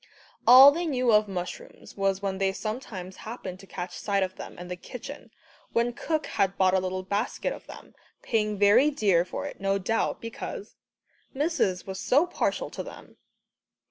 All they knew of mushrooms was when they sometimes happened to catch sight of them in the kitchen, when cook had bought a little basket of them, paying very dear for it, no doubt, because "Missis was so partial to them."